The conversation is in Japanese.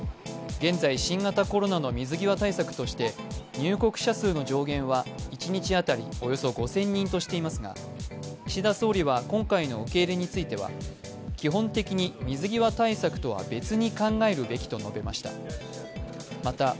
現在、新型コロナの水際対策として入国者数の上限は一日当たりおよそ５０００人としていますが、岸田総理は、今回の受け入れについては、基本的に水際対策とは別に考えるべきと述べました。